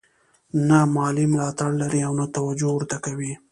نه مالي ملاتړ لري او نه توجه ورته کوي.